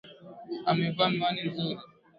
Amevaa miwani vizuri.